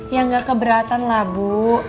ya nggak keberatan lah bu